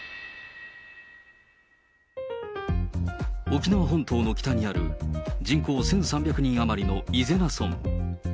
沖縄本島の北にある、人口１３００人余りの伊是名村。